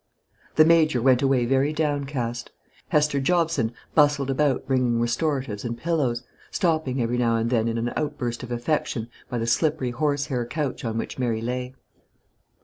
The Major went away very downcast. Hester Jobson bustled about bringing restoratives and pillows, stopping every now and then in an outburst of affection by the slippery horsehair couch on which Mary lay.